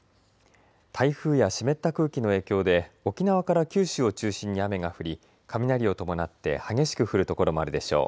台風や湿った空気の影響で沖縄から九州を中心に雨が降り雷を伴って激しく降る所もあるでしょう。